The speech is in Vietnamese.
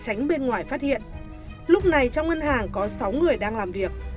tránh bên ngoài phát hiện lúc này trong ngân hàng có sáu người đang làm việc